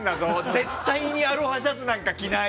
絶対にアロハシャツなんか着ない。